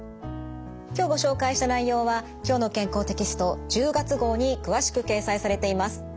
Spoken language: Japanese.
今日ご紹介した内容は「きょうの健康」テキスト１０月号に詳しく掲載されています。